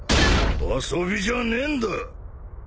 遊びじゃねえんだヤマト！